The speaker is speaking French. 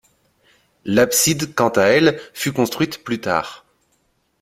L’abside, quant à elle, fut construite plus tard.